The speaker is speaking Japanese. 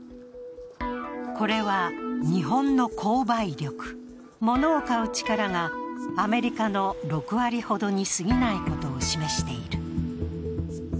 これは日本の購買力、物を買う力がアメリカの６割ほどにすぎないことを示している。